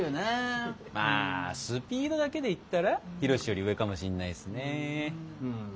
まあスピードだけで言ったらヒロシより上かもしんないっすね。